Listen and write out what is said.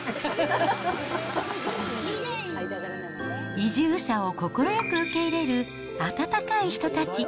移住者を快く受け入れる温かい人たち。